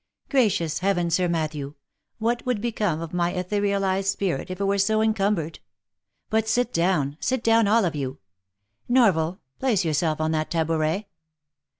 Gracious heaven, Sir Matthew ! what would become of my etherealized spirit if it were so encumbered ? But sit down, — sit down all of you. — Norval ! Place yourself on that tabouret.